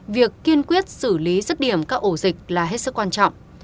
việc kiên quyết xử lý rứt điểm các ổ dịch là hết sức quan trọng